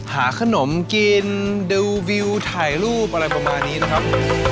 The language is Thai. หาขนมกินดูวิวถ่ายรูปอะไรประมาณนี้นะครับ